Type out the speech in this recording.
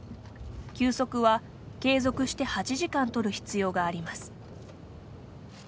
休息は継続して８時間取る必要があります。